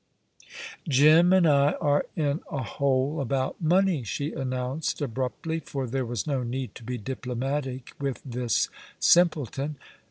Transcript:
"Jim and I are in a hole about money," she announced abruptly, for there was no need to be diplomatic with this simpleton.